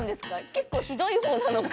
結構ひどい方なのか。